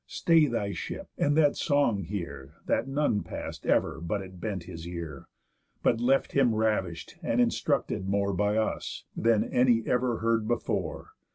stay thy ship, and that song hear That none pass'd ever but it bent his ear, But left him ravish'd, and instructed more By us, than any ever heard before.